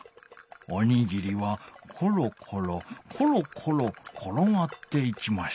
おにぎりはころころころころころがっていきました」。